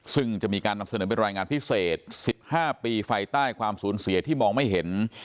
ซึ่งจะมีการนำเสนอเป็นรายงานพิเศษ๑๕ปีไฟใต้ความสูญเสียที่มองไม่เห็น